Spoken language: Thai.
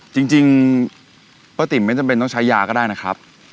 จริงป้าติ๋มไม่จำเป็นต้องใช้ยาก็ได้นะครับ